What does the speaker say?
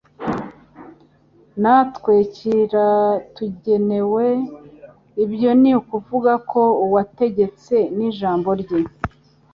natwe kiratugenewe: ibyo ni ukuvuga ko Uwategetse n'ijambo rye